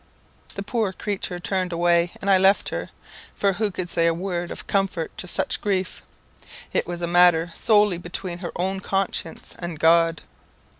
"The poor creature turned away, and I left her, for who could say a word of comfort to such grief? it was a matter solely between her own conscience and God."